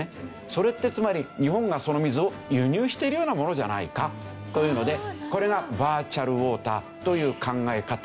それってつまり日本がその水を輸入しているようなものじゃないかというのでこれがバーチャルウォーターという考え方なんですね。